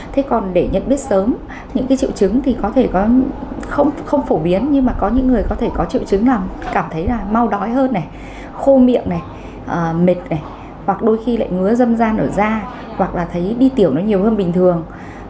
thế còn để nhận biết sớm những cái triệu chứng thì có thể có không phổ biến nhưng mà có những người có thể có triệu chứng là cảm thấy là mau đói hơn này khô miệng này mệt này hoặc đôi khi lại ngứa dân gian ở da hoặc là thấy đi tiểu nó nhiều hơn bình thường